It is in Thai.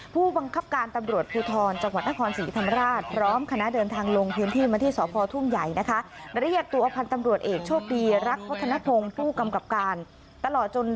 ผู้บังคับการตำรวจภูทรจังหวัดอาคอนศรีธรรมราช